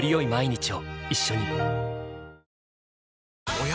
おや？